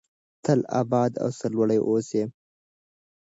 تل اباد او سرلوړي اوسئ.